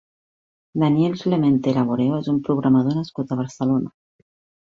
Daniel Clemente Laboreo és un programador nascut a Barcelona.